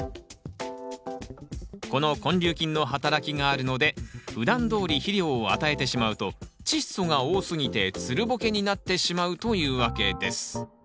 この根粒菌の働きがあるのでふだんどおり肥料を与えてしまうとチッ素が多すぎてつるボケになってしまうというわけです